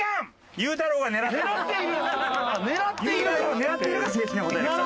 ゆうたろうが狙っているが正式な答えでした。